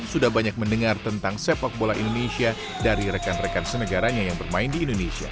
sudah banyak mendengar tentang sepak bola indonesia dari rekan rekan senegaranya yang bermain di indonesia